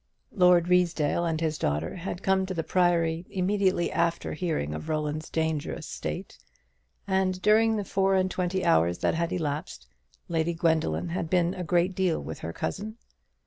Lord Ruysdale and his daughter had come to the Priory immediately after hearing of Roland's dangerous state; and during the four and twenty hours that had elapsed, Lady Gwendoline had been a great deal with her cousin.